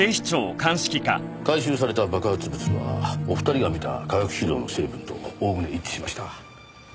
回収された爆発物はお二人が見た化学肥料の成分とおおむね一致しました。